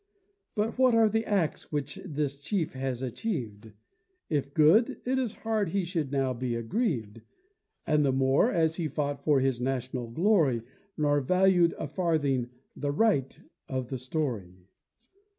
But what are the acts which this chief has achieved? If good, it is hard he should now be aggrieved: And the more, as he fought for his national glory, Nor valued, a farthing, the right of the story.